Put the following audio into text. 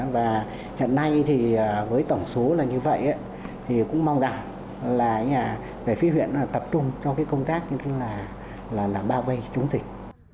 và hiện nay với tổng số là như vậy thì cũng mong rằng là phải phí huyện tập trung cho công tác như thế này là bao vây chống dịch